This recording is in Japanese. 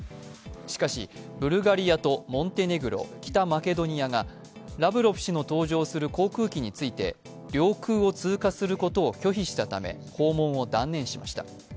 しかしブルガリアとモンテネグロ、北マケドニアがラブロフ氏の搭乗する航空機について領空を通過することを拒否したため、訪問を断念しました。